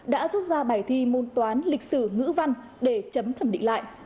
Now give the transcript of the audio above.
đã rút ra bài thi môn toán lịch sử ngữ văn để chấm thẩm định lại